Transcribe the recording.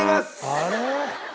あれ？